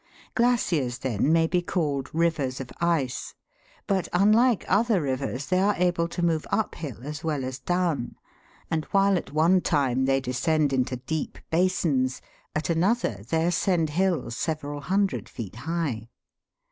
Glaciers, then, may be called rivers of ice, but unlike other rivers, they are able to move uphill as well as down, and while at one time they descend into deep basins, at another they ascend hills several hundred feet high.